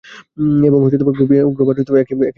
এবং গ্রোভার এই প্রকল্প হাতে নেবে।